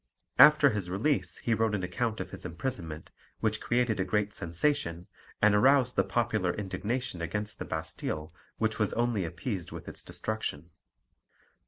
After his release he wrote an account of his imprisonment, which created a great sensation, and aroused the popular indignation against the Bastille which was only appeased with its destruction.